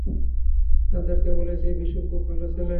সাজ্জাদকে বলেছি বিশু খুব ভালো ছেলে।